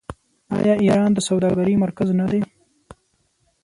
آیا ایران د سوداګرۍ مرکز نه دی؟